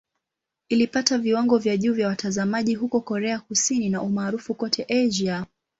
Ilipata viwango vya juu vya watazamaji huko Korea Kusini na umaarufu kote Asia.